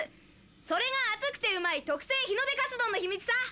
それが熱くてうまい特製日之出カツ丼の秘密さ！